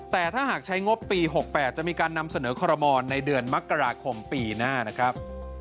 แต่ถ้าหากใช้งบปี๖๘จะมีการนำเสนอคอรมอลในเดือนมกราคมปีหน้านะครับ